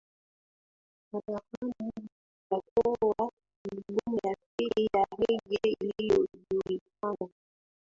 Hadharani na akatoa albamu ya pili ya rege iliyojulikana